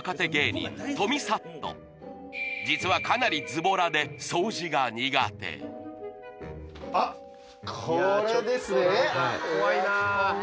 実はかなりズボラで掃除が苦手あっこれですね